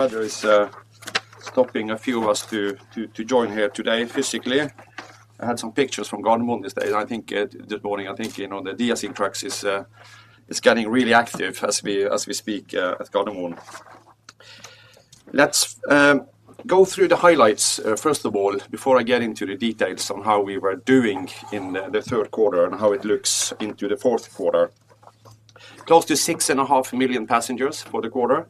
Weather is stopping a few of us to join here today physically. I had some pictures from Gardermoen this day, and I think this morning, I think, you know, the de-icing trucks is getting really active as we speak at Gardermoen. Let's go through the highlights first of all, before I get into the details on how we were doing in the Q3 and how it looks into the Q4. Close to 6.5 million passengers for the quarter,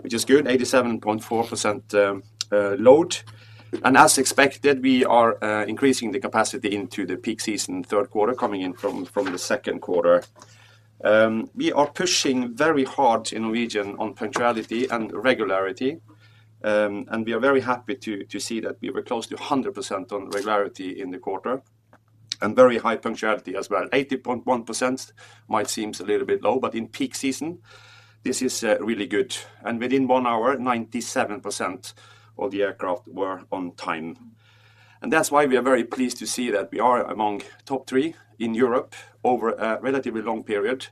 which is good, 87.4% load. And as expected, we are increasing the capacity into the peak season, Q3, coming in from the Q2. We are pushing very hard in region on punctuality and regularity. And we are very happy to see that we were close to 100% on regularity in the quarter, and very high punctuality as well. 80.1% might seem a little bit low, but in peak season, this is really good, and within one hour, 97% of the aircraft were on time. And that's why we are very pleased to see that we are among top three in Europe over a relatively long period,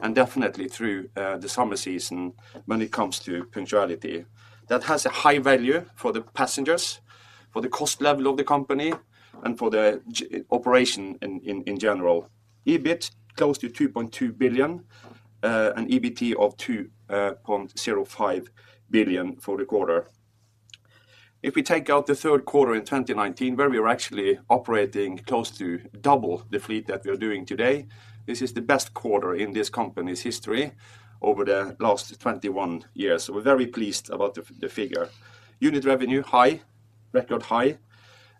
and definitely through the summer season when it comes to punctuality. That has a high value for the passengers, for the cost level of the company, and for the ground operation in general. EBIT, close to 2.2 billion, and EBT of 2.05 billion for the quarter. If we take out the Q3 in 2019, where we were actually operating close to double the fleet that we are doing today, this is the best quarter in this company's history over the last 21 years. So, we're very pleased about the, the figure. Unit revenue, high, record high,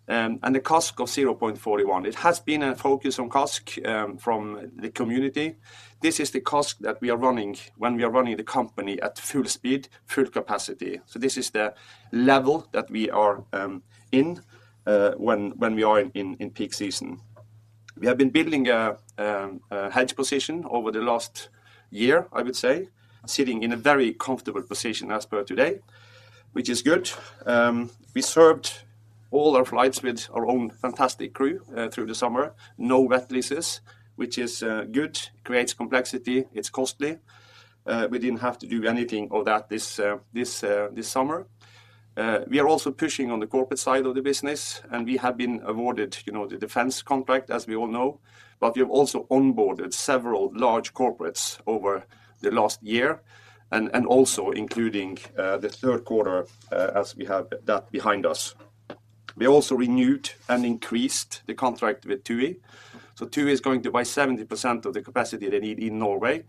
and the CASK of 0.41. It has been a focus on CASK from the community. This is the CASK that we are running when we are running the company at full speed, full capacity. So, this is the level that we are in when we are in peak season. We have been building a hedge position over the last year, I would say, sitting in a very comfortable position as per today, which is good. We served all our flights with our own fantastic crew through the summer. No wet leases, which is good, creates complexity, it's costly. We didn't have to do anything of that this summer. We are also pushing on the corporate side of the business, and we have been awarded, you know, the defense contract, as we all know. But we have also onboarded several large corporates over the last year and also including the Q3, as we have that behind us. We also renewed and increased the contract with TUI. So TUI is going to buy 70% of the capacity they need in Norway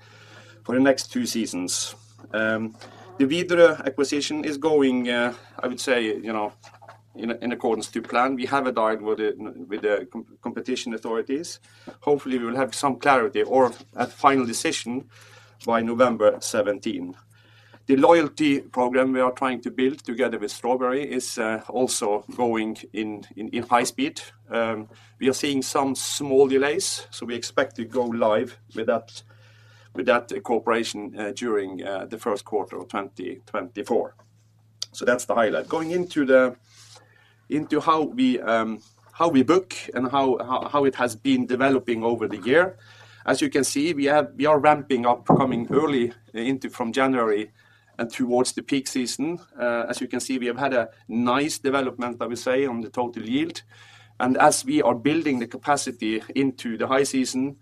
for the next two seasons. The Widerøe acquisition is going, I would say, you know, in accordance to plan. We have a dialogue with the competition authorities. Hopefully, we will have some clarity or a final decision by November 17. The loyalty program we are trying to build together with Strawberry is also going in high speed. We are seeing some small delays, so we expect to go live with that cooperation during the Q1 of 2024. So that's the highlight. Going into how we book and how it has been developing over the year. As you can see, we are ramping up coming early into from January and towards the peak season. As you can see, we have had a nice development, I would say, on the total yield. And as we are building the capacity into the high season,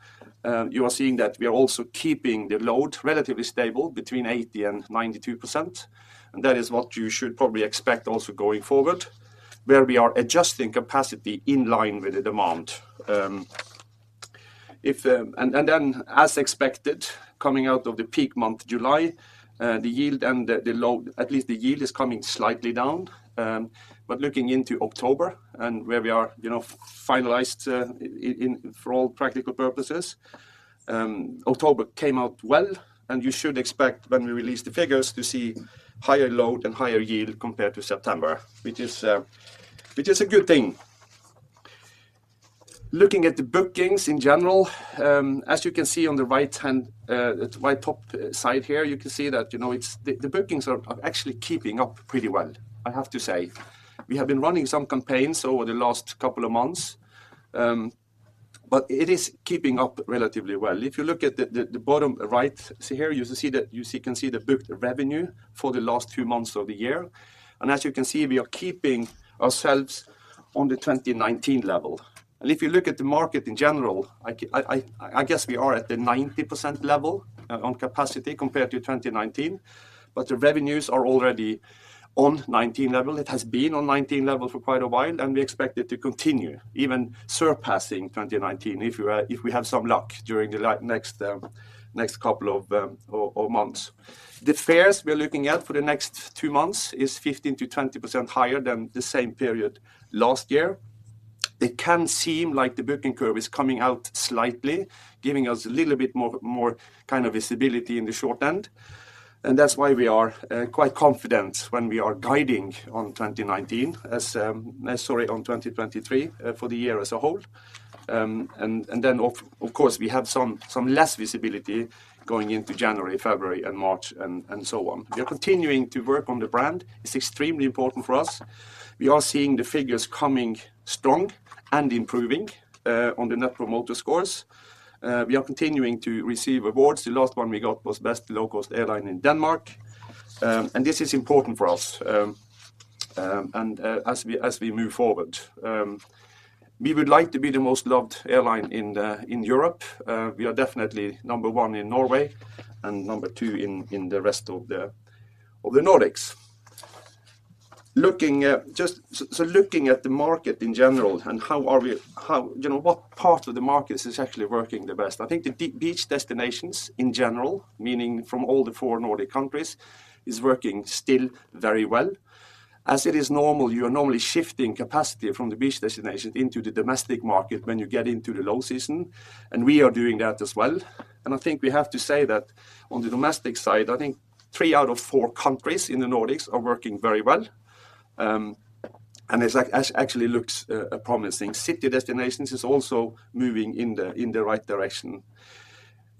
you are seeing that we are also keeping the load relatively stable between 80% and 92%. And that is what you should probably expect also going forward, where we are adjusting capacity in line with the demand. And then, as expected, coming out of the peak month, July, the yield and the load, at least the yield, is coming slightly down. But looking into October and where we are, you know, finalized, in for all practical purposes. And October came out well, and you should expect when we release the figures to see higher load and higher yield compared to September, which is, which is a good thing. Looking at the bookings in general, as you can see on the right-hand, the right top side here, you can see that, you know, it's the bookings are actually keeping up pretty well, I have to say. We have been running some campaigns over the last couple of months, but it is keeping up relatively well. If you look at the bottom right here, you can see the booked revenue for the last two months of the year. As you can see, we are keeping ourselves on the 2019 level. If you look at the market in general, I guess we are at the 90% level on capacity compared to 2019, but the revenues are already on 2019 level. It has been on 2019 level for quite a while, and we expect it to continue, even surpassing 2019, if we have some luck during the like next couple of months. The fares we're looking at for the next two months is 15%-20% higher than the same period last year. It can seem like the booking curve is coming out slightly, giving us a little bit more kind of visibility in the short end. And that's why we are quite confident when we are guiding on 2019 as, sorry, on 2023 for the year as a whole. And then of course we have some less visibility going into January, February, and March, and so on. We are continuing to work on the brand. It's extremely important for us. We are seeing the figures coming strong and improving on the net promoter scores. We are continuing to receive awards. The last one we got was Best Low-Cost Airline in Denmark, and this is important for us, and as we move forward. We would like to be the most loved airline in Europe. We are definitely number one in Norway and number two in the rest of the Nordics. Looking at the market in general and how are we—you know, what part of the market is actually working the best? I think the beach destinations in general, meaning from all the four Nordic countries, is working still very well. As it is normal, you are normally shifting capacity from the beach destination into the domestic market when you get into the low season, and we are doing that as well. And I think we have to say that on the domestic side, I think three out of four countries in the Nordics are working very well, and it's actually looks promising. City destinations is also moving in the right direction.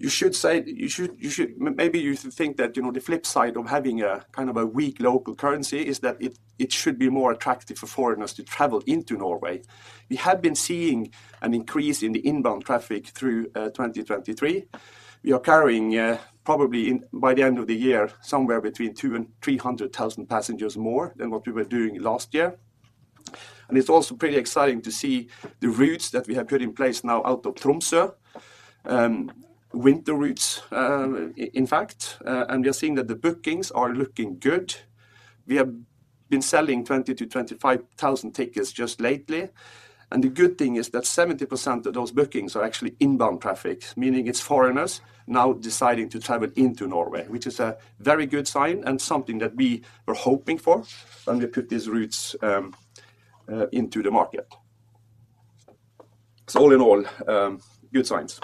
Maybe you should think that, you know, the flip side of having a kind of a weak local currency is that it should be more attractive for foreigners to travel into Norway. We have been seeing an increase in the inbound traffic through 2023. We are carrying, probably in, by the end of the year, somewhere between 200,000 and 300,000 passengers more than what we were doing last year. And it's also pretty exciting to see the routes that we have put in place now out of Tromsø, winter routes, in fact, and we are seeing that the bookings are looking good. We have been selling 20,000-25,000 tickets just lately, and the good thing is that 70% of those bookings are actually inbound traffic, meaning it's foreigners now deciding to travel into Norway, which is a very good sign and something that we were hoping for when we put these routes into the market. So, all in all, good signs.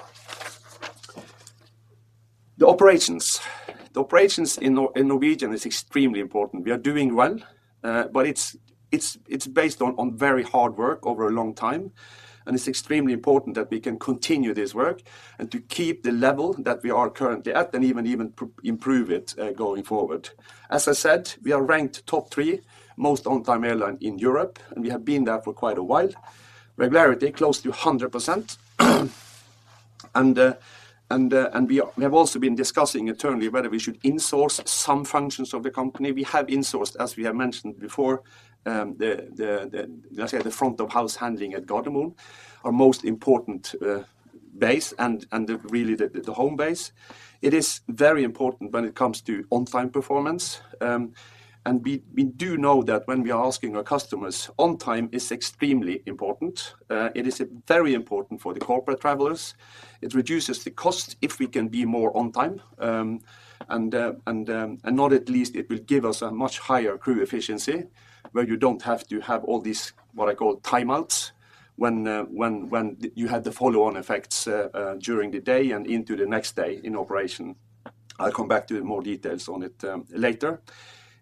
The operations—the operations in Norwegian is extremely important. We are doing well, but it's based on very hard work over a long time, and it's extremely important that we can continue this work and to keep the level that we are currently at and even improve it going forward. As I said, we are ranked top three most on-time airline in Europe, and we have been there for quite a while. Regularity close to 100%. We have also been discussing internally whether we should insource some functions of the company. We have insourced, as we have mentioned before, the, let's say, the front of house handling at Gardermoen, our most important base and the really the home base. It is very important when it comes to on-time performance. And we do know that when we are asking our customers, on time is extremely important. It is very important for the corporate travelers. It reduces the cost if we can be more on time, and not least, it will give us a much higher crew efficiency, where you don't have to have all these, what I call timeouts, when you have the follow-on effects during the day and into the next day in operation. I'll come back to more details on it later.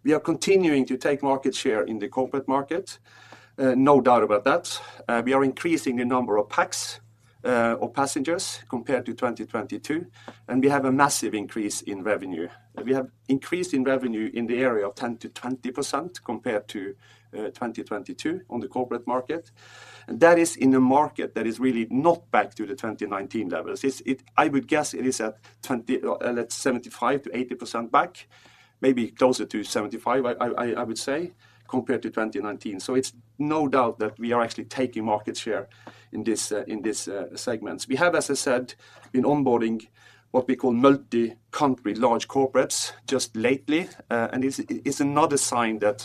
We are continuing to take market share in the corporate market, no doubt about that. We are increasing the number of pax or passengers compared to 2022, and we have a massive increase in revenue. We have increased in revenue in the area of 10%-20% compared to 2022 on the corporate market. And that is in a market that is really not back to the 2019 levels. It's I would guess it is at 75%-80% back, maybe closer to 75%, I would say, compared to 2019. So, it's no doubt that we are actually taking market share in this, in these segments. We have, as I said, been onboarding what we call multi-country large corporates just lately. And it's another sign that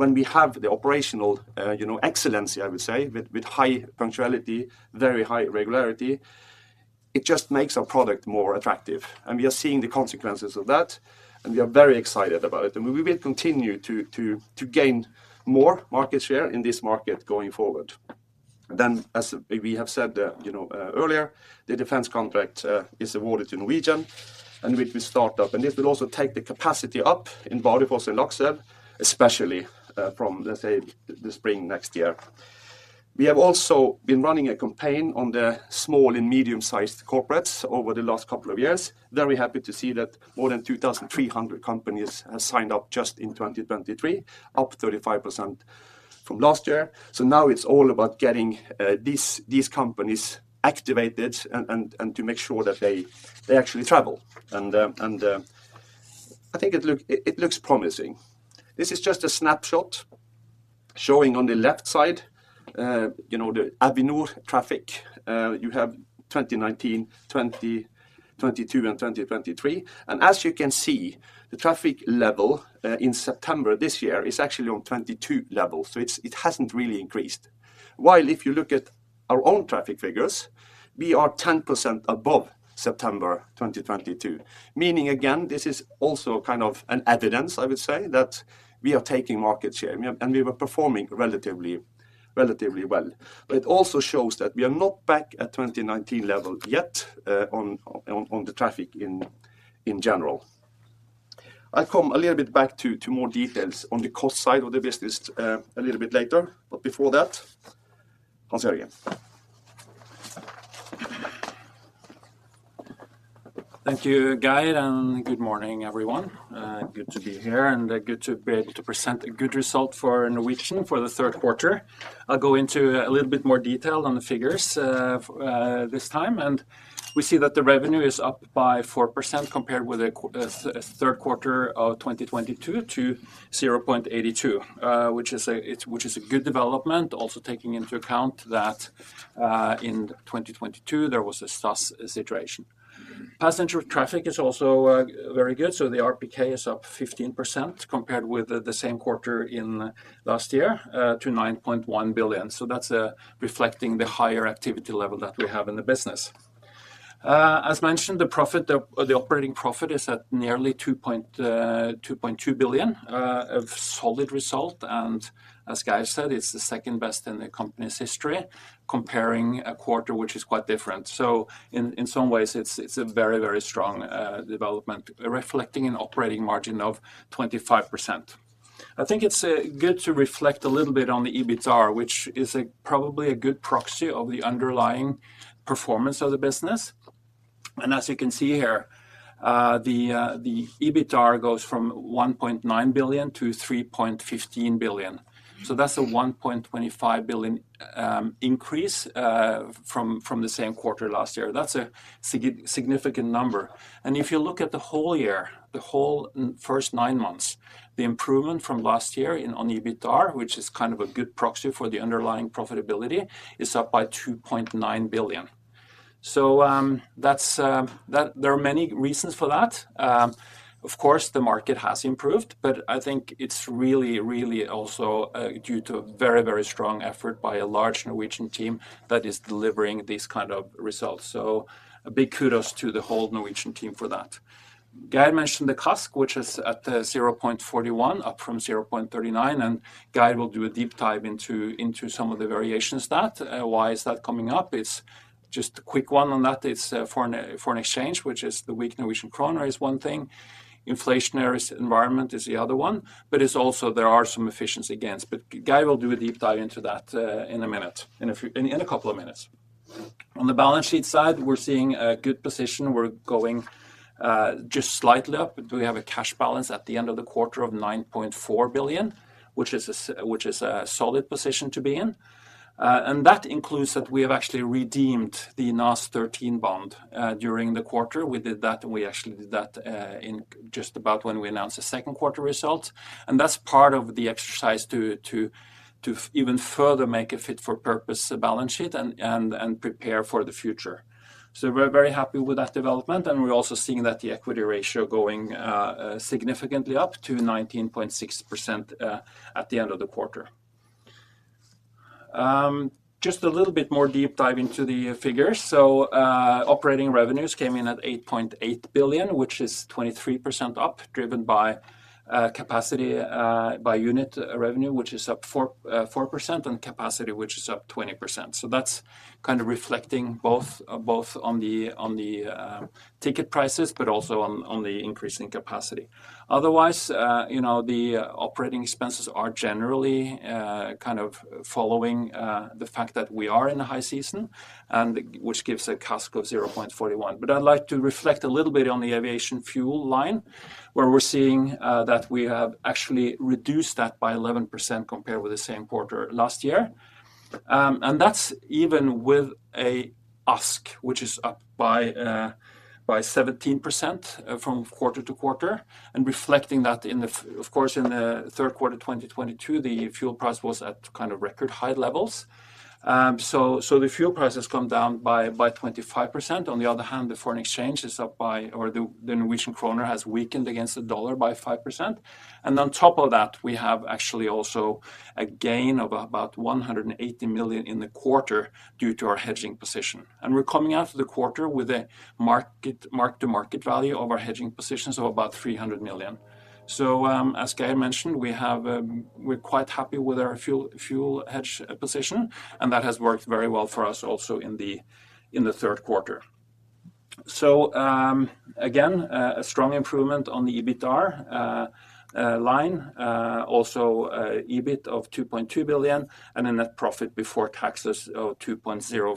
when we have the operational, you know, excellence, I would say, with high punctuality, very high regularity, it just makes our product more attractive. And we are seeing the consequences of that, and we are very excited about it. We will continue to gain more market share in this market going forward. Then, as we have said, you know, earlier, the defense contract is awarded to Norwegian, and which we start up. This will also take the capacity up in Bardufoss and Lakselv, especially, from, let's say, the spring next year. We have also been running a campaign on the small and medium-sized corporates over the last couple of years. Very happy to see that more than 2,300 companies have signed up just in 2023, up 35% from last year. So now it's all about getting these companies activated and to make sure that they actually travel. I think it looks promising. This is just a snapshot showing on the left side, you know, the Avinor traffic. You have 2019, 2022, and 2023. And as you can see, the traffic level in September this year is actually on 2022 levels, so it hasn't really increased. While if you look at our own traffic figures, we are 10% above September 2022. Meaning, again, this is also kind of an evidence, I would say, that we are taking market share, and we, and we were performing relatively, relatively well. But it also shows that we are not back at 2019 level yet, on, on, on the traffic in, in general. I come a little bit back to, to more details on the cost side of the business, a little bit later. But before that, Hans-Jørgen? Thank you, Geir, and good morning, everyone. Good to be here, and good to be able to present a good result for Norwegian for the Q3. I'll go into a little bit more detail on the figures, this time, and we see that the revenue is up by 4% compared with a Q3 of 2022 to 0.82 billion, which is a good development. Also taking into account that, in 2022, there was a SAS situation. Passenger traffic is also very good, so the RPK is up 15% compared with the same quarter in last year, to 9.1 billion. So that's reflecting the higher activity level that we have in the business. As mentioned, the profit, the operating profit is at nearly 2.2 billion, a solid result, and as Geir said, it's the second best in the company's history, comparing a quarter, which is quite different. So, in some ways, it's a very, very strong development, reflecting an operating margin of 25%. I think it's good to reflect a little bit on the EBITDAR, which is probably a good proxy of the underlying performance of the business. And as you can see here, the EBITDAR goes from 1.9 billion-3.15 billion. So that's a 1.25 billion increase from the same quarter last year. That's a significant number. And if you look at the whole year, the whole first nine months, the improvement from last year on EBITDAR, which is kind of a good proxy for the underlying profitability is up by 2.9 billion. So, that's—that there are many reasons for that. Of course, the market has improved, but I think it's really, really also due to a very, very strong effort by a large Norwegian team that is delivering these kind of results. So a big kudos to the whole Norwegian team for that. Geir mentioned the CASK, which is at 0.41, up from 0.39, and Geir will do a deep dive into some of the variations that why is that coming up? It's just a quick one on that. It's foreign exchange, which is the weak Norwegian kroner, is one thing. Inflationary environment is the other one, but it's also there are some efficiency gains. But Geir will do a deep dive into that in a minute, in a couple of minutes. On the balance sheet side, we're seeing a good position. We're going just slightly up. We have a cash balance at the end of the quarter of 9.4 billion, which is a solid position to be in. And that includes that we have actually redeemed the NAS13 bond during the quarter. We did that, and we actually did that in just about when we announced the Q2 results. That's part of the exercise to even further make a fit for purpose balance sheet and prepare for the future. So we're very happy with that development, and we're also seeing that the equity ratio going significantly up to 19.6% at the end of the quarter. Just a little bit more deep dive into the figures. So, operating revenues came in at 8.8 billion, which is 23% up, driven by capacity by unit revenue, which is up 4%, and capacity, which is up 20%. So that's kind of reflecting both on the ticket prices, but also on the increase in capacity. Otherwise, you know, the operating expenses are generally kind of following the fact that we are in a high season and which gives a CASK of 0.41. But I'd like to reflect a little bit on the aviation fuel line, where we're seeing that we have actually reduced that by 11% compared with the same quarter last year. And that's even with an ASK, which is up by 17% quarter-over-quarter, and reflecting that, of course, in the Q3 of 2022, the fuel price was at kind of record high levels. So the fuel price has come down by 25%. On the other hand, the foreign exchange is up by or the Norwegian kroner has weakened against the dollar by 5%. On top of that, we have actually also a gain of about 180 million in the quarter due to our hedging position. We're coming out of the quarter with a mark-to-market value of our hedging positions of about 300 million. As Geir mentioned, we have, we're quite happy with our fuel, fuel hedge position, and that has worked very well for us also in the, in the Q3. Again, a strong improvement on the EBITDAR line, also, EBIT of 2.2 billion, and a net profit before taxes of 2.05 billion.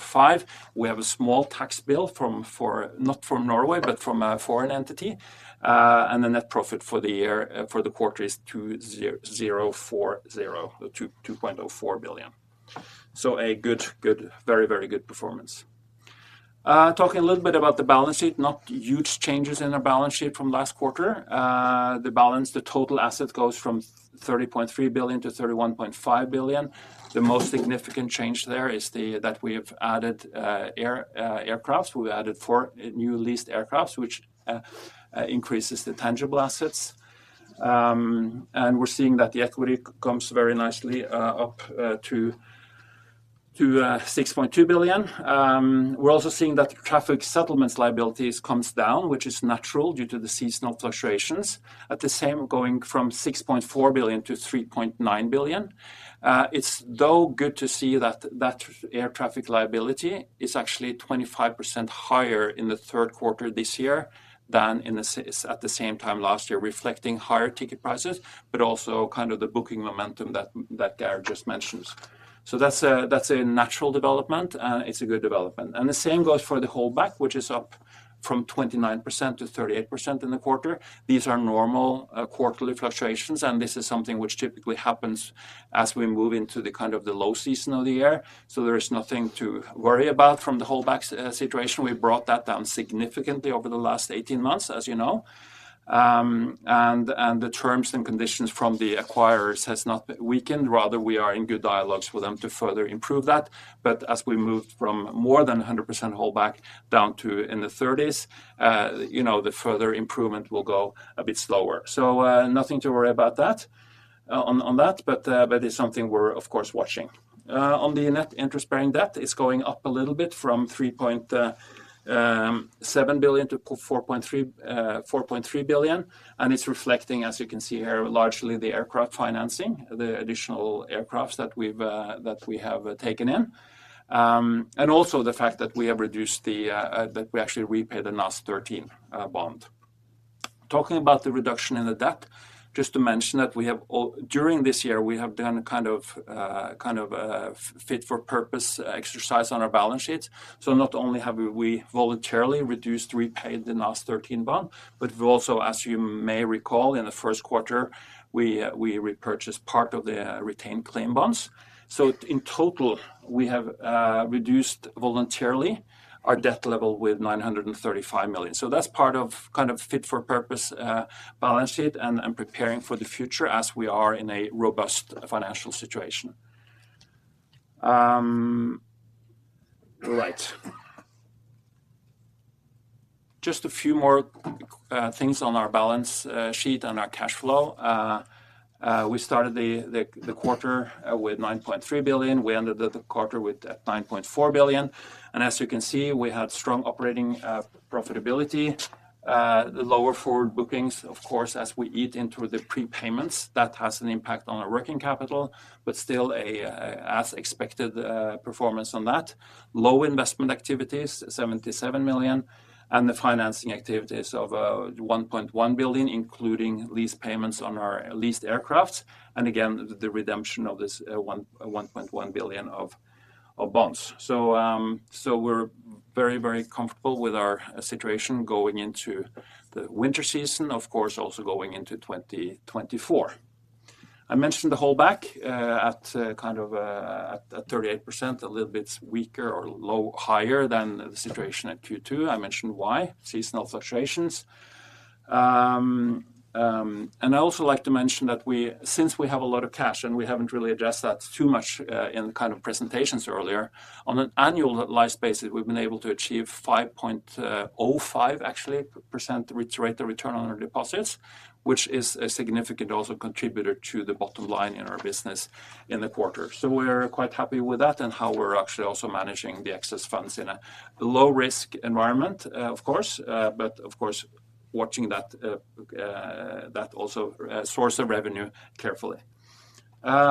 We have a small tax bill, not from Norway, but from a foreign entity. And the net profit for the year, for the quarter is 2.04 billion. So a good, good, very, very good performance. Talking a little bit about the balance sheet, not huge changes in our balance sheet from last quarter. The balance, the total asset goes from 30.3 billion-31.5 billion. The most significant change there is that we have added aircraft. We added four new leased aircraft, which increases the tangible assets. And we're seeing that the equity comes very nicely up to 6.2 billion. We're also seeing that traffic settlements liabilities comes down, which is natural due to the seasonal fluctuations. At the same, we're going from 6.4 billion-3.9 billion. It's though good to see that that air traffic liability is actually 25% higher in the Q3 this year than in the at the same time last year, reflecting higher ticket prices, but also kind of the booking momentum that, that Geir just mentioned. So that's a—that's a natural development, and it's a good development. The same goes for the holdback, which is up from 29%-38% in the quarter. These are normal, quarterly fluctuations, and this is something which typically happens as we move into the kind of the low season of the year. So, there is nothing to worry about from the holdback situation. We brought that down significantly over the last 18 months, as you know. And the terms and conditions from the acquirers has not weakened. Rather, we are in good dialogues with them to further improve that. But as we move from more than 100% holdback down to in the 30s, you know, the further improvement will go a bit slower. So, nothing to worry about that, on, on that, but, but it's something we're, of course, watching. On the net interest-bearing debt, it's going up a little bit from 3.7 billion to 4.3, 4.3 billion, and it's reflecting, as you can see here, largely the aircraft financing, the additional aircrafts that we've, that we have taken in. And also the fact that we have reduced the, that we actually repaid the NAS13, bond. Talking about the reduction in the debt, just to mention that we have during this year, we have done a kind of fit for purpose exercise on our balance sheets. So not only have we voluntarily reduced, repaid the NAS13 bond, but we also, as you may recall, in the Q1, we repurchased part of the retained claim bonds. So in total, we have reduced voluntarily our debt level with 935 million. So that's part of kind of fit for purpose balance sheet and preparing for the future as we are in a robust financial situation. Right. Just a few more things on our balance sheet and our cash flow. We started the quarter with 9.3 billion. We ended the quarter with 9.4 billion, and as you can see, we had strong operating profitability. The lower forward bookings, of course, as we eat into the prepayments, that has an impact on our working capital, but still a, as expected, performance on that. Low investment activities, 77 million, and the financing activities of 1.1 billion including lease payments on our leased aircraft, and again, the redemption of this, 1.1 billion of bonds. So, so we're very, very comfortable with our situation going into the winter season, of course, also going into 2024. I mentioned the holdback at kind of at 38%, a little bit weaker or higher than the situation at Q2. I mentioned why—seasonal fluctuations. And I also like to mention that we since we have a lot of cash, and we haven't really addressed that too much in the kind of presentations earlier. On an annual lease basis, we've been able to achieve 5.05, actually, % rate of return on our deposits, which is a significant also contributor to the bottom line in our business in the quarter. So we're quite happy with that and how we're actually also managing the excess funds in a low-risk environment, of course, but of course, watching that also source of revenue carefully.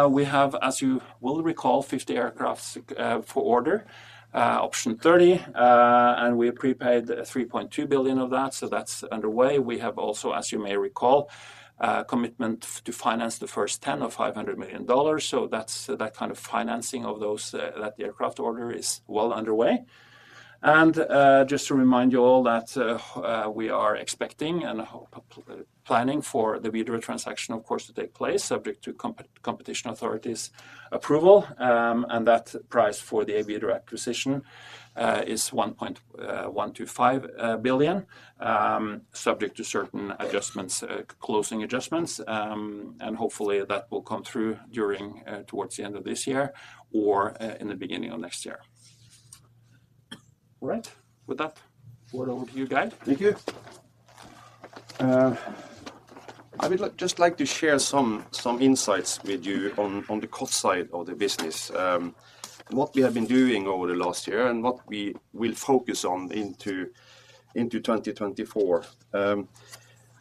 We have, as you will recall, 50 aircrafts for order, option 30, and we prepaid 3.2 billion of that, so that's underway. We have also, as you may recall, a commitment to finance the first 10 of $500 million. So that's that kind of financing of those that aircraft order is well underway. And just to remind you all that we are expecting and planning for the Widerøe transaction, of course, to take place, subject to competition authorities' approval. And that price for the Widerøe acquisition is 1.125 billion, subject to certain adjustments, closing adjustments. And hopefully, that will come through during towards the end of this year or in the beginning of next year. All right. With that, over to you, Geir. Thank you. I would just like to share some insights with you on the cost side of the business, what we have been doing over the last year, and what we will focus on into 2024.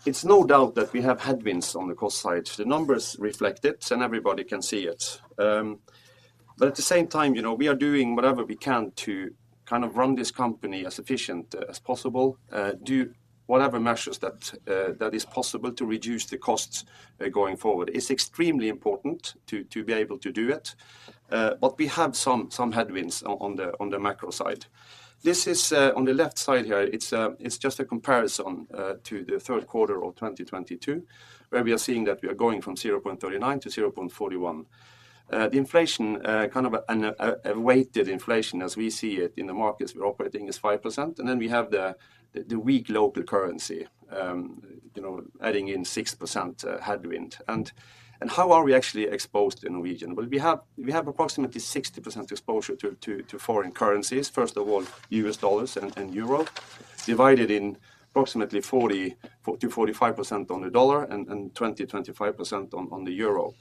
It's no doubt that we have headwinds on the cost side. The numbers reflect it, and everybody can see it. But at the same time, you know, we are doing whatever we can to kind of run this company as efficient as possible, do whatever measures that is possible to reduce the costs going forward. It's extremely important to be able to do it, but we have some headwinds on the macro side. This is on the left side here, it's just a comparison to the Q3 of 2022, where we are seeing that we are going from 0.39-0.41. The inflation kind of a weighted inflation as we see it in the markets we're operating is 5%, and then we have the weak local currency, you know, adding in 6% headwind. How are we actually exposed in region? Well, we have approximately 60% exposure to foreign currencies. First of all, U.S. dollars and euro, divided in approximately 40%-45% on the dollar and 20%-25% on the euro.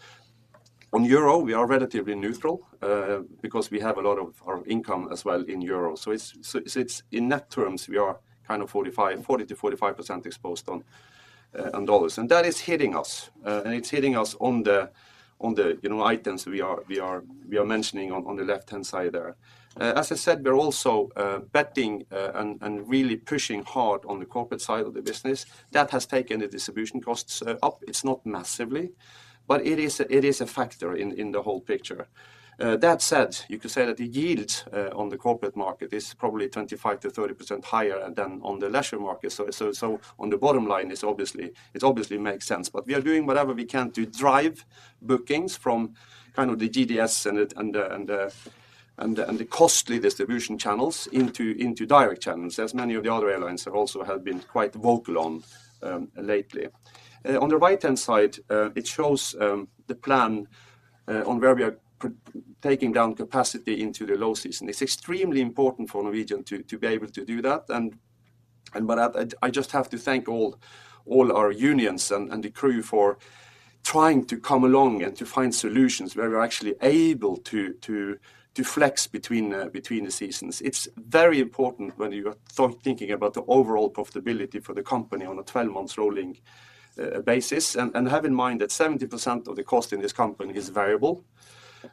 On euro, we are relatively neutral because we have a lot of our income as well in euro. So it's in net terms, we are kind of 40-45% exposed on dollars. And that is hitting us, and it's hitting us on the, you know, items we are mentioning on the left-hand side there. As I said, we're also betting and really pushing hard on the corporate side of the business. That has taken the distribution costs up. It's not massively, but it is a factor in the whole picture. That said, you could say that the yield on the corporate market is probably 25%-30% higher than on the leisure market. So on the bottom line, it's obviously it obviously makes sense, but we are doing whatever we can to drive bookings from kind of the GDS and the costly distribution channels into direct channels, as many of the other airlines have been quite vocal on lately. On the right-hand side, it shows the plan on where we are taking down capacity into the low season. It's extremely important for Norwegian to be able to do that. And but I just have to thank all our unions and the crew for trying to come along and to find solutions where we're actually able to flex between the seasons. It's very important when you are thinking about the overall profitability for the company on a 12-month rolling basis. And have in mind that 70% of the cost in this company is variable,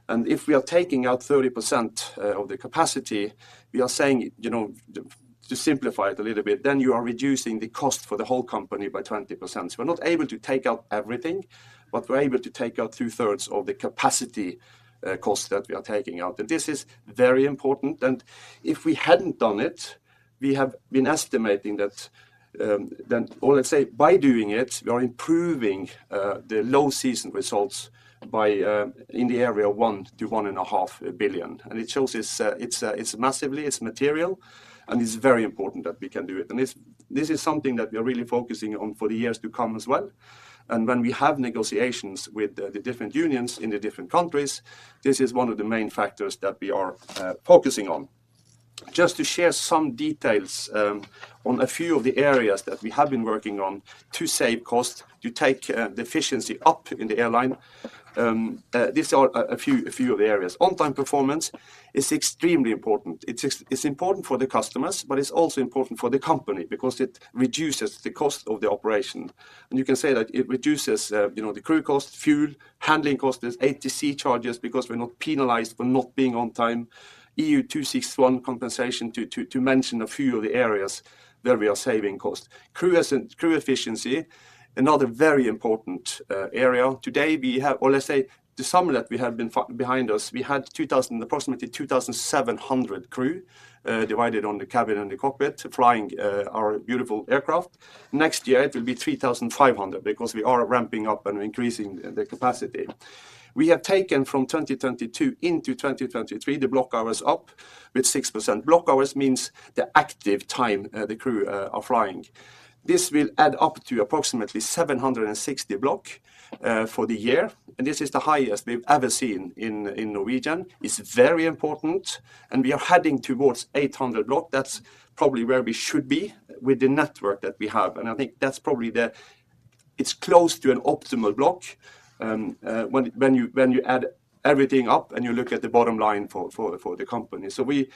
and if we are taking out 30% of the capacity, we are saying, you know, to simplify it a little bit, then you are reducing the cost for the whole company by 20%. So we're not able to take out everything, but we're able to take out 2/3 of the capacity cost that we are taking out. And this is very important, and if we hadn't done it, we have been estimating that. Then or let's say, by doing it, we are improving the low-season results by in the area of 1 billion-1.5 billion. And it shows it's massively material, and it's very important that we can do it. And this is something that we are really focusing on for the years to come as well. And when we have negotiations with the different unions in the different countries, this is one of the main factors that we are focusing on. Just to share some details on a few of the areas that we have been working on to save cost, to take the efficiency up in the airline. These are a few of the areas. On-time performance is extremely important. It's important for the customers, but it's also important for the company because it reduces the cost of the operation. You can say that it reduces, you know, the crew cost, fuel, handling costs, there's ATC charges because we're not penalized for not being on time, EU261 compensation, to mention a few of the areas where we are saving cost. Crew efficiency, another very important area. Or let's say, the summer that we have been behind us, we had approximately 2,700 crew, divided on the cabin and the cockpit, flying our beautiful aircraft. Next year, it will be 3,500 because we are ramping up and increasing the capacity. We have taken from 2022 into 2023, the block hours up with 6%. Block hours means the active time the crew are flying. This will add up to approximately 760 block for the year, and this is the highest we've ever seen in Norwegian. It's very important, and we are heading towards 800 block. That's probably where we should be with the network that we have, and I think that's probably it's close to an optimal block, when you add everything up and you look at the bottom line for the company. So we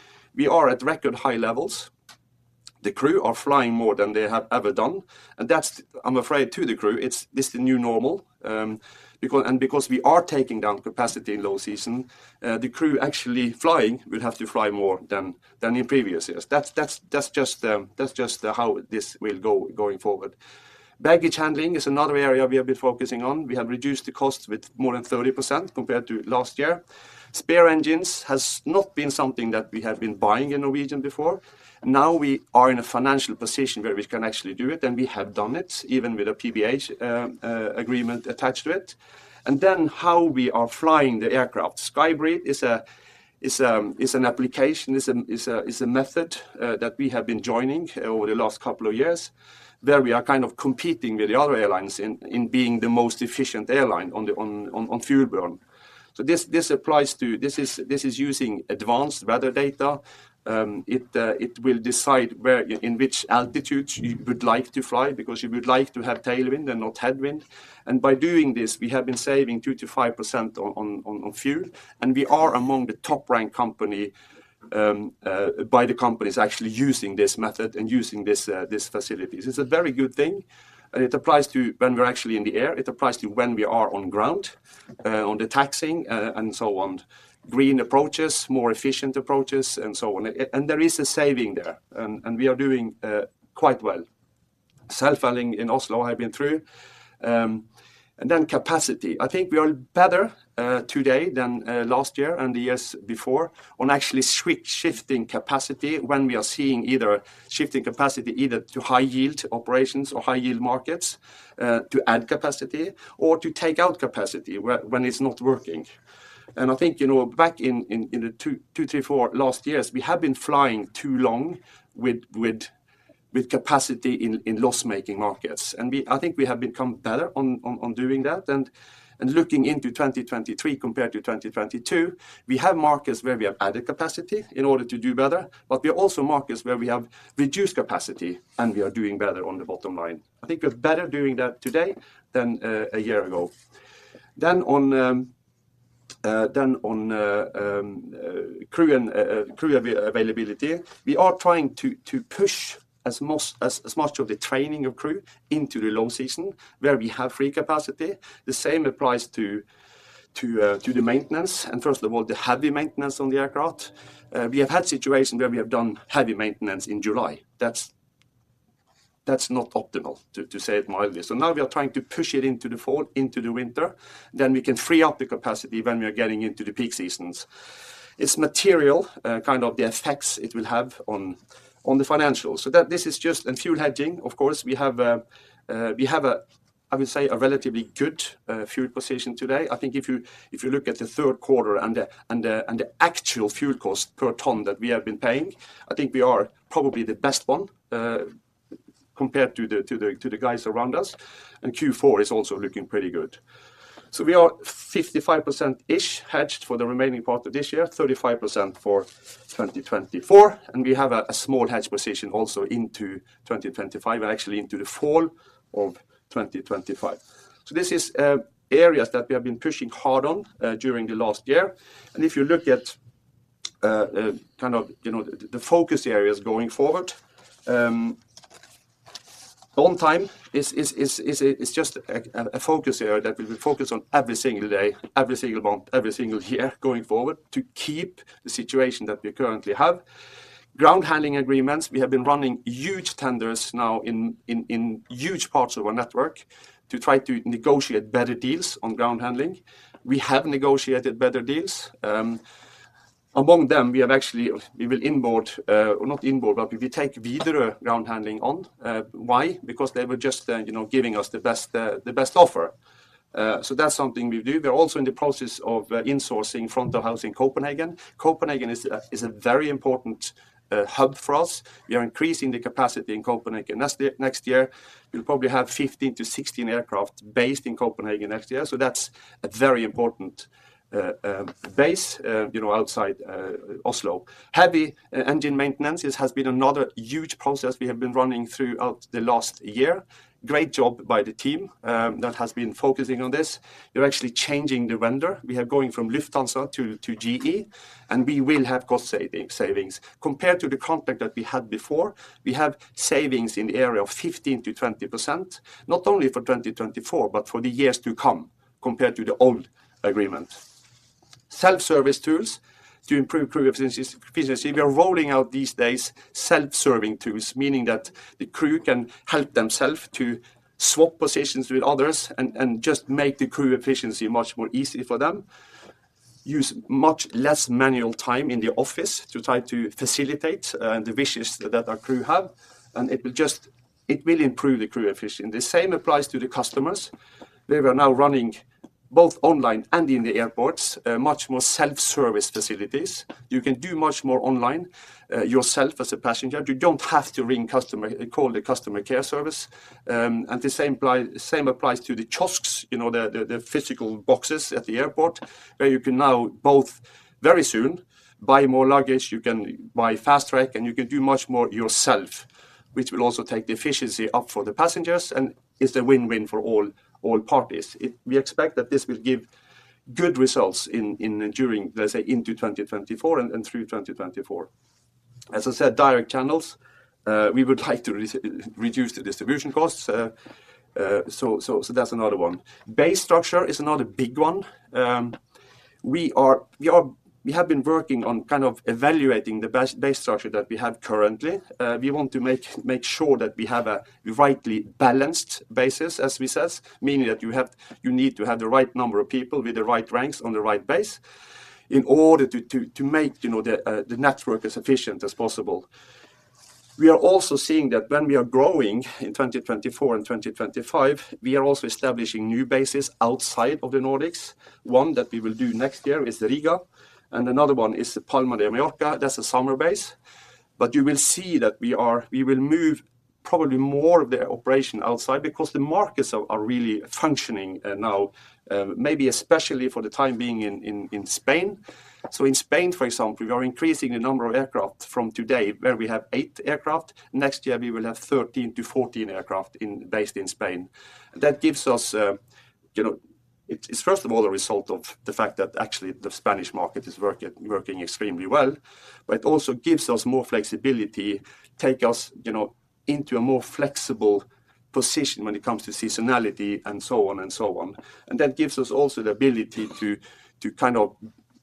are at record high levels. The crew are flying more than they have ever done, and that's, I'm afraid, to the crew, it's this the new normal. Because and because we are taking down capacity in low season, the crew actually flying will have to fly more than in previous years. That's just how this will go going forward. Baggage handling is another area we have been focusing on. We have reduced the cost with more than 30% compared to last year. Spare engines has not been something that we have been buying in Norwegian before. Now we are in a financial position where we can actually do it, and we have done it, even with a PBH agreement attached to it. How we are flying the aircraft. SkyBreathe is a method that we have been joining over the last couple of years, where we are kind of competing with the other airlines in being the most efficient airline on fuel burn. So this applies to—this is using advanced weather data. It will decide where, in which altitudes you would like to fly, because you would like to have tailwind and not headwind. And by doing this, we have been saving 2%-5% on fuel, and we are among the top-ranked company by the companies actually using this method and using this facilities. It's a very good thing, and it applies to when we're actually in the air, it applies to when we are on ground, on the taxiing, and so on. Green approaches, more efficient approaches, and so on. And there is a saving there, and we are doing quite well. Self-handling in Oslo have been through. And then capacity. I think we are better today than last year and the years before on actually shifting capacity when we are seeing either shifting capacity, either to high-yield operations or high-yield markets, to add capacity or to take out capacity when it's not working. And I think, you know, back in 2022, 2023, 2024 last years, we have been flying too long with capacity in loss-making markets. I think we have become better on doing that. And looking into 2023 compared to 2022, we have markets where we have added capacity in order to do better, but we are also markets where we have reduced capacity, and we are doing better on the bottom line. I think we're better doing that today than a year ago. Then on—then on crew availability, we are trying to push as much of the training of crew into the low season, where we have free capacity. The same applies to the maintenance, and first of all, the heavy maintenance on the aircraft. We have had situations where we have done heavy maintenance in July. That's not optimal, to say it mildly. So now we are trying to push it into the fall, into the winter, then we can free up the capacity when we are getting into the peak seasons. It's material, kind of the effects it will have on the financials. So that this is just a fuel hedging. Of course, we have a, I would say, a relatively good fuel position today. I think if you look at the Q3 and the actual fuel cost per ton that we have been paying, I think we are probably the best one compared to the guys around us, and Q4 is also looking pretty good. So we are 55%-ish hedged for the remaining part of this year, 35% for 2024, and we have a small hedge position also into 2025, and actually into the fall of 2025. So this is areas that we have been pushing hard on during the last year. If you look at kind of, you know, the focus areas going forward, on time is just a focus area that we will focus on every single day, every single month, every single year going forward to keep the situation that we currently have. Ground handling agreements, we have been running huge tenders now in huge parts of our network to try to negotiate better deals on ground handling. We have negotiated better deals. Among them, we have actually, we will onboard, not onboard, but we will take Widerøe Ground Handling on. Why? Because they were just, you know, giving us the best offer. So that's something we do. We're also in the process of insourcing front of house in Copenhagen. Copenhagen is a very important hub for us. We are increasing the capacity in Copenhagen. Next year, we'll probably have 15-16 aircraft based in Copenhagen next year, so that's a very important base, you know, outside Oslo. Heavy engine maintenance, this has been another huge process we have been running throughout the last year. Great job by the team that has been focusing on this. We're actually changing the vendor. We are going from Lufthansa to GE, and we will have cost savings. Compared to the contract that we had before, we have savings in the area of 15%-20%, not only for 2024, but for the years to come, compared to the old agreement. Self-service tools to improve crew efficiency. We are rolling out these days self-service tools, meaning that the crew can help themselves to swap positions with others and just make the crew efficiency much more easy for them. Use much less manual time in the office to try to facilitate the wishes that our crew have, and it will just improve the crew efficiency. The same applies to the customers. They were now running, both online and in the airports, much more self-service facilities. You can do much more online yourself as a passenger. You don't have to call the customer care service. And the same applies to the kiosks, you know, the physical boxes at the airport, where you can now both very soon buy more luggage, you can buy fast track, and you can do much more yourself, which will also take the efficiency up for the passengers, and it's a win-win for all parties. We expect that this will give good results during, let's say, into 2024 and through 2024. As I said, direct channels, we would like to reduce the distribution costs. So, that's another one. Base structure is another big one. We have been working on kind of evaluating the base structure that we have currently. We want to make sure that we have a rightly balanced basis, as we says, meaning that you need to have the right number of people with the right ranks on the right base in order to make, you know, the network as efficient as possible. We are also seeing that when we are growing in 2024 and 2025, we are also establishing new bases outside of the Nordics. One that we will do next year is Riga, and another one is Palma de Mallorca. That's a summer base. But you will see that we will move probably more of the operation outside because the markets are really functioning now, maybe especially for the time being in Spain. So in Spain, for example, we are increasing the number of aircraft from today, where we have eight aircraft. Next year, we will have 13-14 aircraft based in Spain. That gives us, you know—it's first of all a result of the fact that actually the Spanish market is working, working extremely well, but it also gives us more flexibility, take us, you know, into a more flexible position when it comes to seasonality, and so on, and so on. And that gives us also the ability to kind of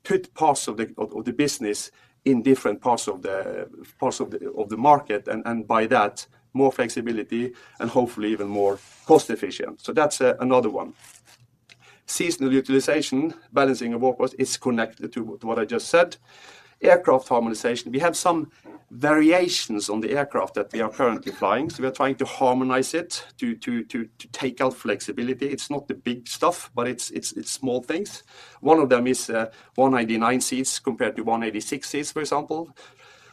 put parts of the- of the business in different parts of the market, and by that, more flexibility and hopefully even more cost efficient. So that's another one. Seasonal utilization, balancing of workforce is connected to what I just said, aircraft harmonization. We have some variations on the aircraft that we are currently flying, so we are trying to harmonize it to take out flexibility. It's not the big stuff, but it's small things. One of them is 199 seats compared to 186 seats, for example.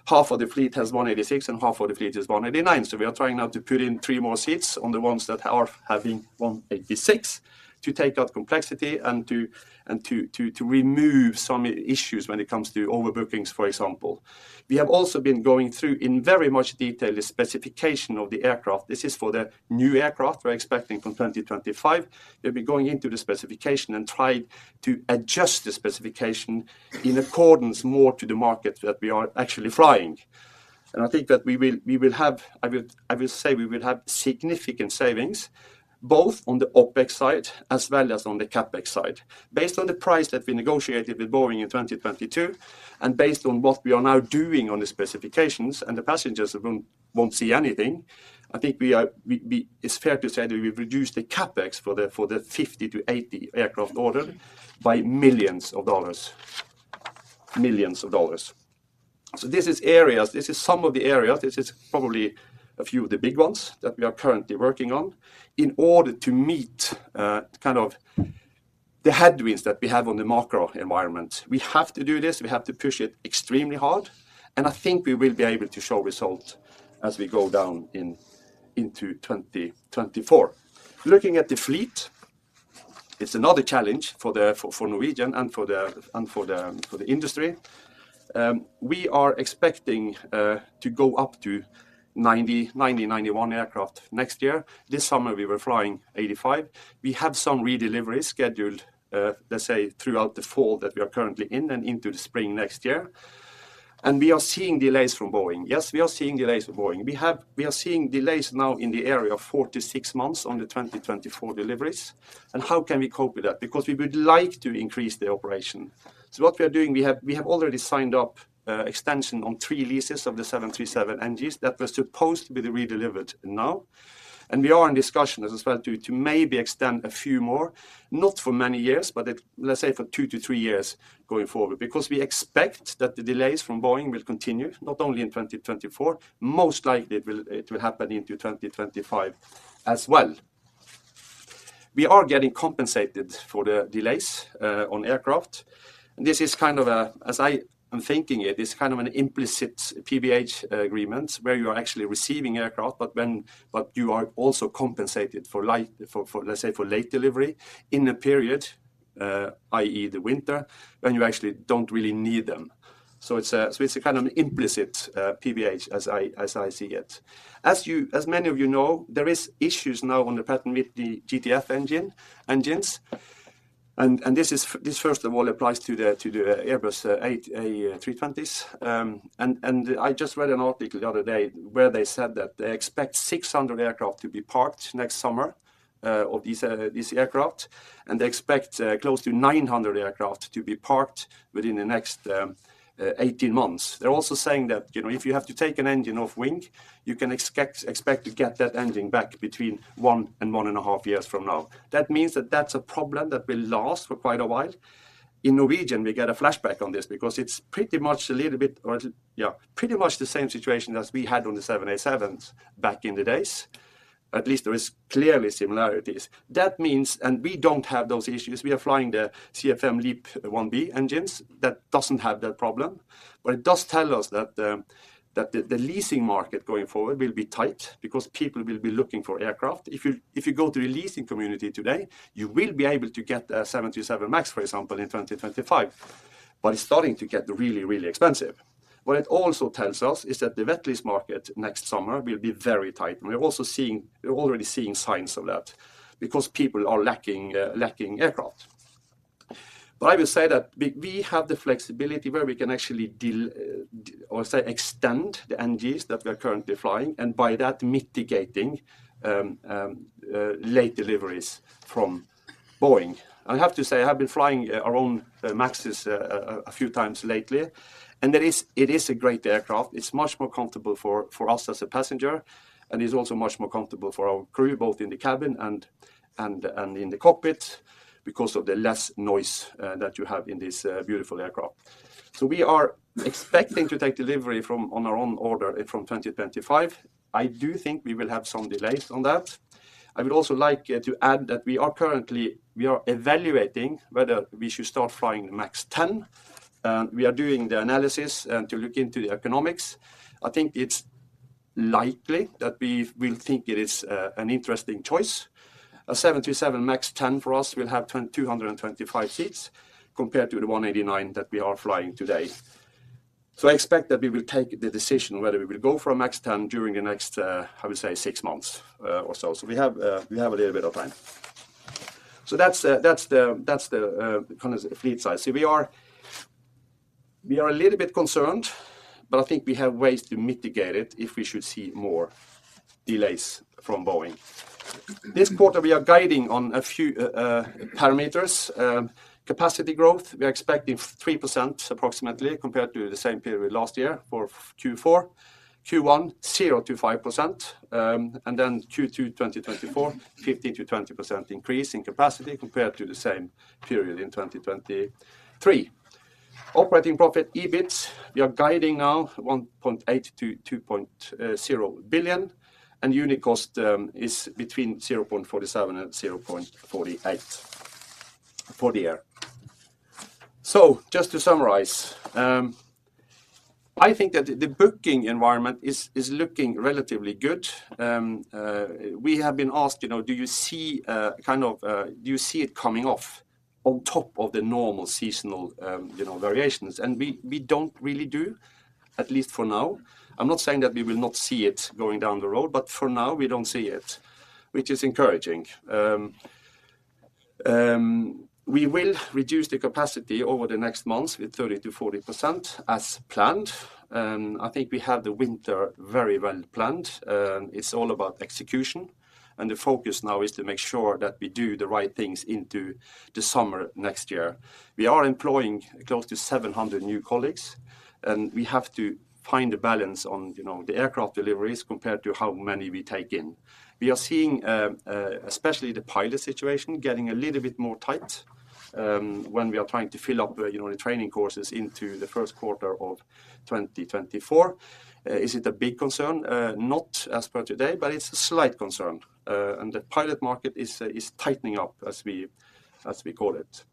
Half of the fleet has 186, and half of the fleet is 189. So we are trying now to put in three more seats on the ones that are having 186, to take out complexity and to remove some issues when it comes to overbookings, for example. We have also been going through, in very much detail, the specification of the aircraft. This is for the new aircraft we're expecting from 2025. We'll be going into the specification and try to adjust the specification in accordance more to the market that we are actually flying. And I think that we will have significant savings, both on the OpEx side as well as on the CapEx side. Based on the price that we negotiated with Boeing in 2022, and based on what we are now doing on the specifications, and the passengers won't see anything, I think it's fair to say that we've reduced the CapEx for the 50-80 aircraft order by millions of dollars. So this is areas, this is some of the areas, this is probably a few of the big ones that we are currently working on in order to meet kind of the headwinds that we have on the macro environment. We have to do this, we have to push it extremely hard, and I think we will be able to show results as we go down in, into 2024. Looking at the fleet, it's another challenge for Norwegian and for the industry. We are expecting to go up to 90-91 aircraft next year. This summer, we were flying 85. We have some redelivery scheduled, let's say, throughout the fall that we are currently in and into the spring next year, and we are seeing delays from Boeing. Yes, we are seeing delays from Boeing. We are seeing delays now in the area of 4-6 months on the 2024 deliveries, and how can we cope with that? Because we would like to increase the operation. So, what we are doing, we have already signed up extension on three leases of the 737 NGs that were supposed to be redelivered now, and we are in discussion as well to maybe extend a few more. Not for many years, but let's say for 2-3 years going forward, because we expect that the delays from Boeing will continue, not only in 2024, most likely it will happen into 2025 as well. We are getting compensated for the delays on aircraft. This is kind of a, as I am thinking it, it's kind of an implicit PBH agreement where you are actually receiving aircraft, but you are also compensated for like, for, for, let's say, for late delivery in a period, i.e., the winter, when you actually don't really need them. So it's a, so it's a kind of implicit PBH, as I, as I see it. As many of you know, there are issues now with the Pratt & Whitney GTF engines, and this, first of all, applies to the Airbus A320s. I just read an article the other day where they said that they expect 600 aircraft to be parked next summer, of these, these aircraft, and they expect close to 900 aircraft to be parked within the next 18 months. They're also saying that, you know, if you have to take an engine off wing, you can expect to get that engine back between 1 and 1.5 years from now. That means that that's a problem that will last for quite a while. In Norwegian, we get a flashback on this because it's pretty much a little bit, or, yeah, pretty much the same situation as we had on the 787 back in the days. At least there is clearly similarities. That means, and we don't have those issues, we are flying the CFM LEAP-1B engines. That doesn't have that problem, but it does tell us that the leasing market going forward will be tight because people will be looking for aircraft. If you go to the leasing community today, you will be able to get a 737 MAX, for example, in 2025, but it's starting to get really, really expensive. What it also tells us is that the wet lease market next summer will be very tight, and we're already seeing signs of that because people are lacking aircraft. But I will say that we have the flexibility where we can actually deal, or say, extend the NGs that we are currently flying, and by that, mitigating late deliveries from Boeing. I have to say, I have been flying our own MAXs a few times lately, and that is. It is a great aircraft. It's much more comfortable for us as a passenger, and it's also much more comfortable for our crew, both in the cabin and in the cockpit, because of the less noise that you have in this beautiful aircraft. So we are expecting to take delivery from, on our own order from 2025. I do think we will have some delays on that. I would also like to add that we are currently. We are evaluating whether we should start flying the MAX 10. We are doing the analysis and to look into the economics. I think it's likely that we will think it is an interesting choice. A 737 MAX 10 for us will have 225 seats, compared to the 189 that we are flying today. I expect that we will take the decision whether we will go for a MAX 10 during the next, I would say, six months, or so. We have, we have a little bit of time. That's the, that's the, that's the, kind of fleet size. We are, we are a little bit concerned, but I think we have ways to mitigate it if we should see more delays from Boeing. This quarter, we are guiding on a few parameters. Capacity growth, we are expecting 3% approximately, compared to the same period last year for Q4. Q1, 0%-5%, and then Q2 2024, 15%-20% increase in capacity compared to the same period in 2023. Operating profit, EBIT, we are guiding now 1.8 billion-2.0 billion, and unit cost is between 0.47-0.48 for the year. So just to summarize, I think that the booking environment is looking relatively good. We have been asked, you know, "Do you see kind of do you see it coming off on top of the normal seasonal, you know, variations?" And we don't really do, at least for now. I'm not saying that we will not see it going down the road, but for now, we don't see it, which is encouraging. We will reduce the capacity over the next months with 30%-40%, as planned. I think we have the winter very well planned, and it's all about execution, and the focus now is to make sure that we do the right things into the summer next year. We are employing close to 700 new colleagues, and we have to find a balance on, you know, the aircraft deliveries compared to how many we take in. We are seeing, especially the pilot situation, getting a little bit more tight, when we are trying to fill up, you know, the training courses into the Q1 of 2024. Is it a big concern? Not as per today, but it's a slight concern. And the pilot market is, is tightening up, as we, as we call it.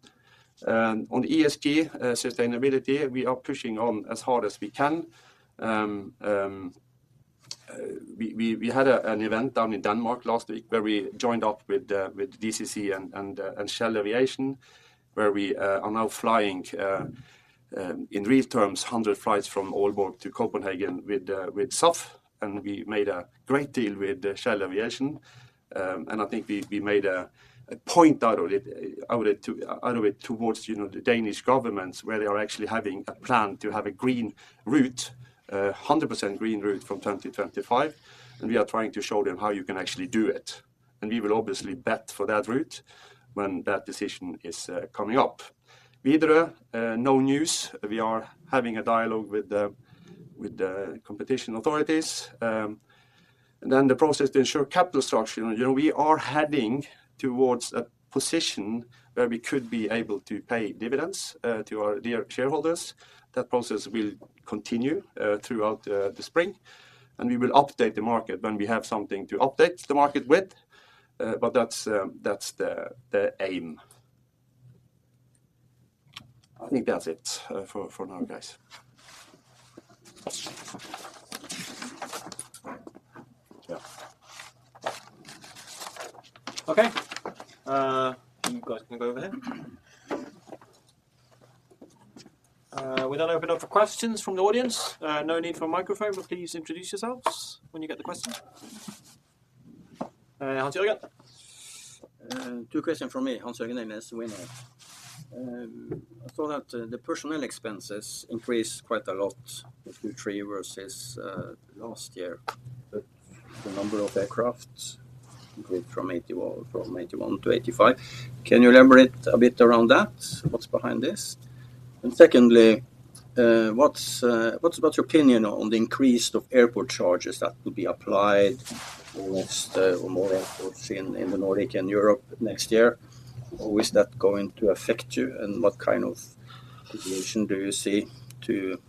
On ESG, sustainability, we are pushing on as hard as we can. We had an event down in Denmark last week, where we joined up with DCC and Shell Aviation, where we are now flying, in real terms, 100 flights from Aalborg to Copenhagen with SAF, and we made a great deal with Shell Aviation. And I think we made a point out of it towards, you know, the Danish governments, where they are actually having a plan to have a green route. A 100% green route from 2025, and we are trying to show them how you can actually do it. And we will obviously bet for that route when that decision is coming up. Widerøe, no news. We are having a dialogue with the competition authorities. Then the process to ensure capital structure. You know, we are heading towards a position where we could be able to pay dividends to our dear shareholders. That process will continue throughout the spring, and we will update the market when we have something to update the market with. But that's the aim. I think that's it for now, guys. Yeah. Okay. You guys can go over there. We'll then open up for questions from the audience. No need for a microphone, but please introduce yourselves when you get the question. Hans-Jørgen? Two questions from me, Hans Jørgen Elnæs, WinAir. I saw that the personnel expenses increased quite a lot, Q3 versus last year, but the number of aircraft increased from 81, from 81-85. Can you elaborate a bit around that? What's behind this? And secondly, what's about your opinion on the increase of airport charges that will be applied almost more airports in the Nordics and Europe next year? How is that going to affect you, and what kind of situation do you see to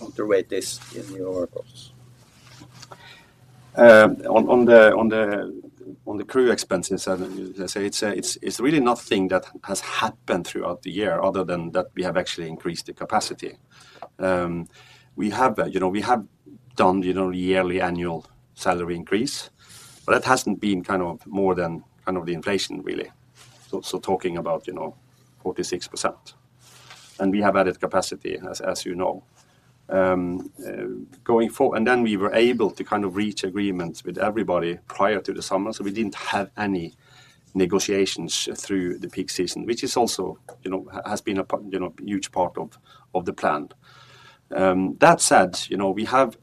counterweight this in your process? On the crew expenses, as I say, it's really nothing that has happened throughout the year, other than that we have actually increased the capacity. We have, you know, we have done, you know, yearly annual salary increase, but that hasn't been kind of more than kind of the inflation really. So talking about, you know, 46%. And we have added capacity, as you know. And then we were able to kind of reach agreements with everybody prior to the summer, so we didn't have any negotiations through the peak season, which is also, you know, has been a part, you know, a huge part of the plan. That said, you know, we have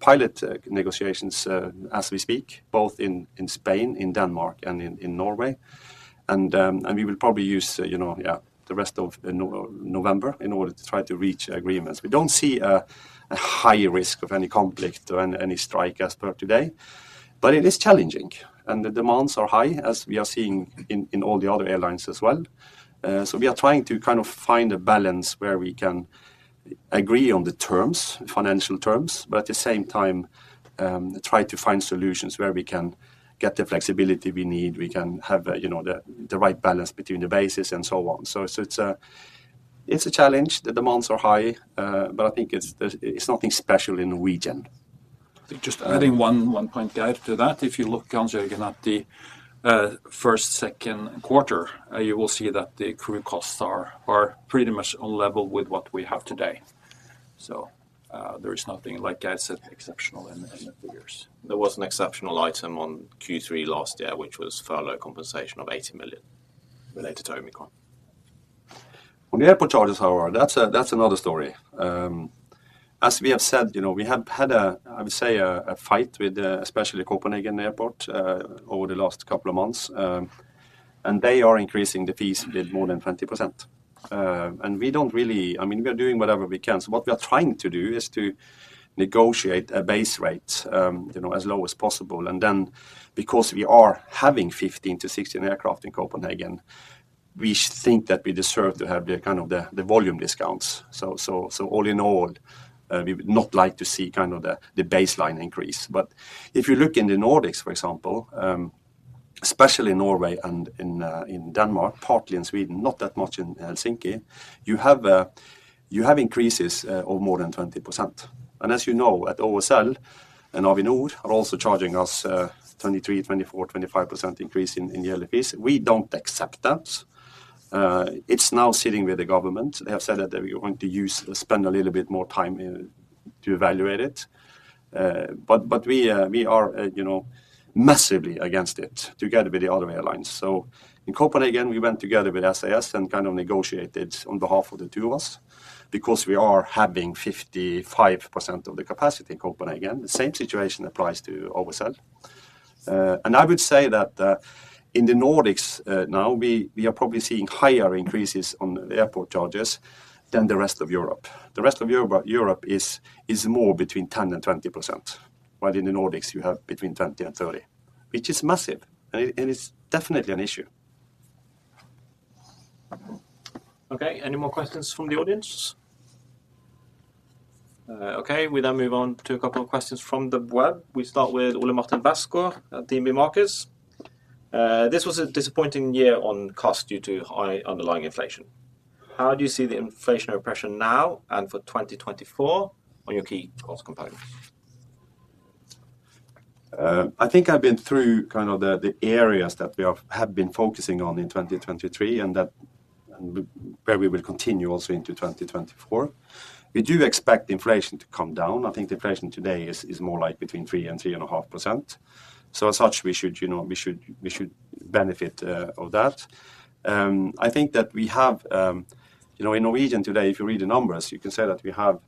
pilot negotiations as we speak, both in Spain, in Denmark, and in Norway. And we will probably use, you know, yeah, the rest of November in order to try to reach agreements. We don't see a high risk of any conflict or any strike as per today, but it is challenging, and the demands are high, as we are seeing in all the other airlines as well. So we are trying to kind of find a balance where we can agree on the terms, financial terms, but at the same time, try to find solutions where we can get the flexibility we need. We can have, you know, the right balance between the bases and so on. So it's a challenge. The demands are high, but I think it's nothing special in Norwegian. Just adding one, one point, Geir, to that. If you look again at the first, Q2, you will see that the crew costs are pretty much on level with what we have today. So, there is nothing, like I said, exceptional in the figures. There was an exceptional item on Q3 last year, which was furlough compensation of 80 million related to Omicron. On the airport charges, however, that's another story. As we have said, you know, we have had, I would say, a fight with, especially Copenhagen Airport, over the last couple of months. And they are increasing the fees with more than 20%. And we don't really—I mean, we are doing whatever we can. So what we are trying to do is to negotiate a base rate, you know, as low as possible, and then because we are having 15-16 aircraft in Copenhagen, we think that we deserve to have the kind of the volume discounts. So all in all, we would not like to see kind of the baseline increase. But if you look in the Nordics, for example, especially in Norway and in Denmark, partly in Sweden, not that much in Helsinki, you have increases of more than 20%. And as you know, at OSL and Avinor are also charging us 23%-25% increase in the LFP. We don't accept that. It's now sitting with the government. They have said that they were going to spend a little bit more time to evaluate it. But we, you know, massively against it, together with the other airlines. So in Copenhagen, we went together with SAS and kind of negotiated on behalf of the two of us, because we are having 55% of the capacity in Copenhagen. The same situation applies to OSL. I would say that in the Nordics now we are probably seeing higher increases on the airport charges than the rest of Europe. The rest of Europe is more between 10% and 20%, while in the Nordics you have between 20% and 30%, which is massive, and it's definitely an issue. Okay, any more questions from the audience? Okay, we then move on to a couple of questions from the web. We start with Ole Martin Westgaard at DNB Markets, "This was a disappointing year on cost due to high underlying inflation. How do you see the inflationary pressure now and for 2024 on your key cost component?" I think I've been through kind of the areas that we have been focusing on in 2023, and that and where we will continue also into 2024. We do expect inflation to come down. I think the inflation today is more like between 3% and 3.5%. So as such, we should, you know, we should benefit of that. I think that we have, you know, in Norwegian today, if you read the numbers, you can say that we have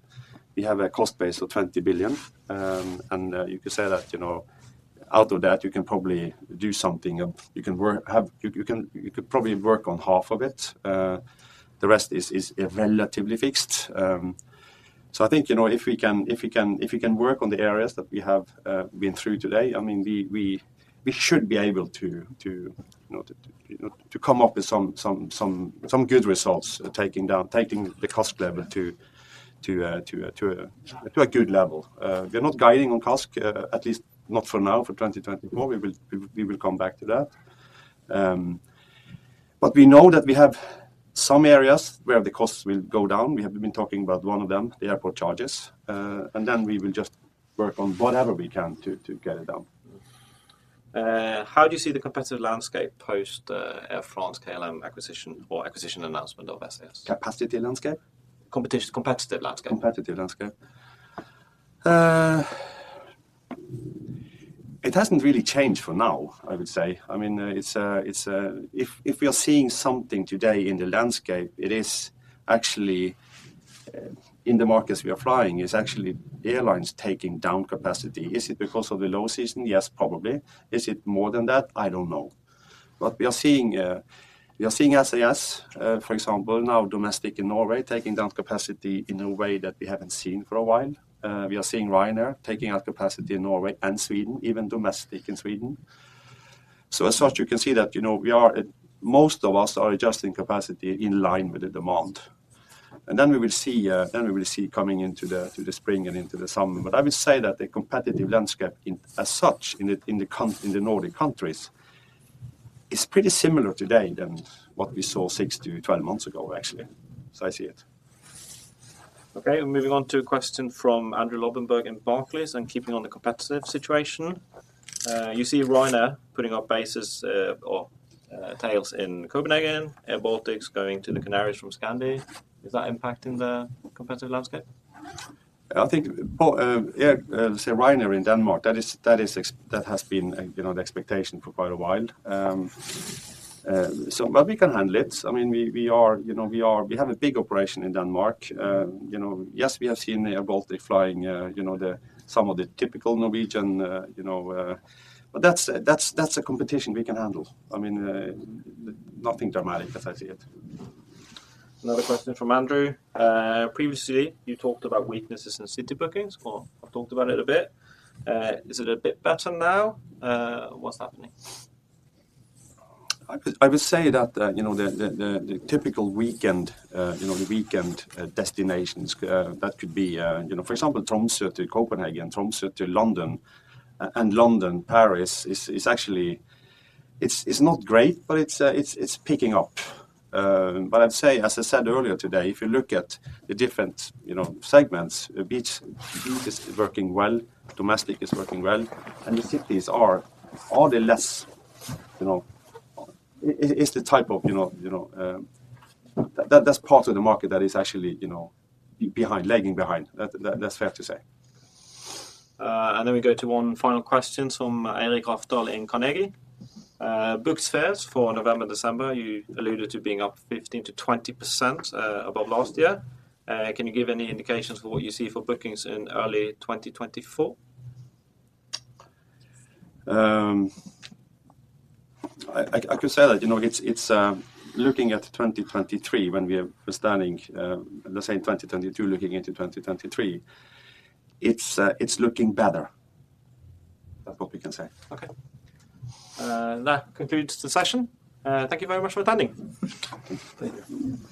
a cost base of 20 billion. And you could say that, you know, out of that, you can probably do something of—you can work, have, you can, you could probably work on half of it. The rest is relatively fixed. So I think, you know, if we can work on the areas that we have been through today, I mean, we should be able to, you know, to come up with some good results, taking the cost level to a good level. We're not guiding on CASK, at least not for now, for 2024. We will come back to that. But we know that we have some areas where the costs will go down. We have been talking about one of them, the airport charges, and then we will just work on whatever we can to get it down. How do you see the competitive landscape post Air France-KLM acquisition or acquisition announcement of SAS? Capacity landscape? Competition, competitive landscape. Competitive landscape. It hasn't really changed for now, I would say. I mean, if we are seeing something today in the landscape, it is actually in the markets we are flying, it's actually airlines taking down capacity. Is it because of the low season? Yes, probably. Is it more than that? I don't know. But we are seeing SAS, for example, now domestic in Norway, taking down capacity in a way that we haven't seen for a while. We are seeing Ryanair taking out capacity in Norway and Sweden, even domestic in Sweden. So as such, you can see that, you know, most of us are adjusting capacity in line with the demand. And then we will see coming into the spring and into the summer. I would say that the competitive landscape as such in the Nordic countries is pretty similar today than what we saw 6-12 months ago, actually, as I see it. Okay, moving on to a question from Andrew Lobbenberg in Barclays, "And keeping on the competitive situation. You see Ryanair putting up bases, or tails in Copenhagen, airBaltic going to the Canaries from Scandi. Is that impacting the competitive landscape?" I think, yeah, say Ryanair in Denmark, that is, that is that has been, you know, the expectation for quite a while. So but we can handle it. I mean, we, we are, you know, we are—we have a big operation in Denmark. You know, yes, we have seen airBaltic flying, you know, the some of the typical Norwegian, you know, but that's, that's, that's a competition we can handle. I mean, nothing dramatic as I see it. Another question from Andrew, "Previously, you talked about weaknesses in city bookings, or I've talked about it a bit. Is it a bit better now? What's happening?" I would say that, you know, the typical weekend, you know, the weekend destinations, that could be, you know, for example, Tromsø-Copenhagen, Tromsø-London, and London-Paris, is actually—is not great, but it's picking up. But I'd say, as I said earlier today, if you look at the different, you know, segments, beach is working well, domestic is working well, and the cities are all the less, you know, it, it's the type of, you know, that, that's part of the market that is actually, you know, behind, lagging behind. That's fair to say. Then we go to one final question from Eirik Rafdal in Carnegie, "Booked fares for November, December, you alluded to being up 15%-20% above last year. Can you give any indications for what you see for bookings in early 2024?" I could say that, you know, it's looking at 2023, when we are standing, let's say in 2022, looking into 2023, it's looking better. That's what we can say. Okay. That concludes the session. Thank you very much for attending. Thank you.